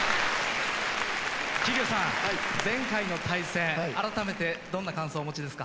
桐生さん前回の対戦改めてどんな感想をお持ちですか？